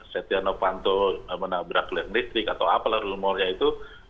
setia novanto menabrak elektrik atau apalah rumornya itu